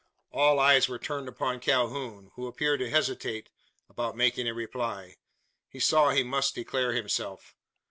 All eyes were turned upon Calhoun, who appeared to hesitate about making a reply. He saw he must declare himself.